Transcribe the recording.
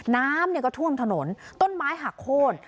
น้ำก็ท่วมถนนต้นไม้หักโค้น